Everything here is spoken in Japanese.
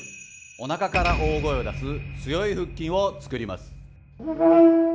おなかから大声を出す強い腹筋を作ります。